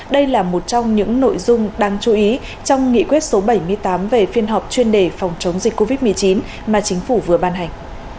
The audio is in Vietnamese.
đây là một trong những nội dung đáng chú ý trong nghị quyết số bảy mươi tám về phiên họp chuyên đề phòng chống dịch covid một mươi chín mà chính phủ vừa ban hành